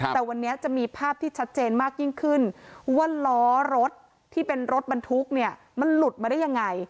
แต่วันนี้จะมีภาพที่ชัดเจนมากยิ่งขึ้นว่าล้อรถที่เป็นรถบรรทุกเนี่ยมันหลุดมาได้ยังไง